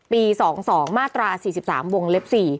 ๒๒มาตรา๔๓วงเล็บ๔